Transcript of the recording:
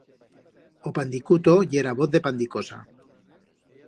O pandicuto ye ra voz de Pandicosa.